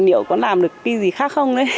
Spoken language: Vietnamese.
liệu có làm được cái gì khác không đấy